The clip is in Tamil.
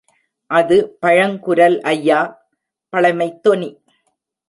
அது பழங்குரல் ஐயா, பழமைத் தொனி!